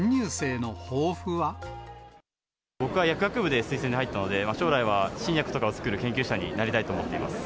僕は薬学部で推薦で入ったので、将来は新薬とかを作る研究者になりたいと思っています。